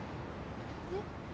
えっ？